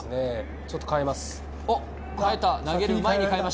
ちょっと変えます。